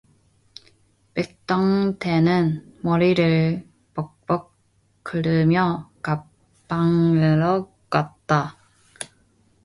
백통테는 머리를 벅벅 긁으며 갑판으로 갔다.